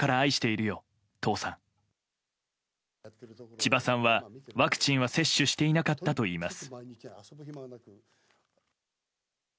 千葉さんは、ワクチンは接種していなかったといいます。